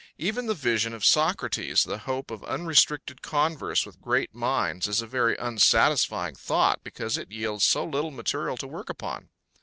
Even the vision of Socrates, the hope of unrestricted converse with great minds, is a very unsatisfying thought, because it yields so little material to work upon.